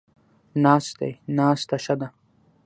ناست دی، ناسته ښه ده